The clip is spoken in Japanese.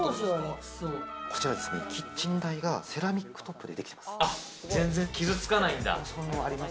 こちらキッチン台がセラミックトップでできています。